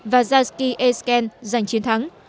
và yatsky esken giành chiến thắng